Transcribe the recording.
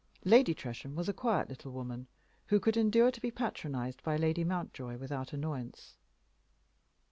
Lady Tresham was a quiet little woman, who could endure to be patronized by Lady Mountjoy without annoyance.